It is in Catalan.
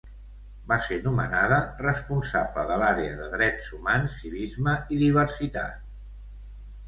Va ser nomenada responsable de l'àrea de Drets Humans, Civisme i Diversitat.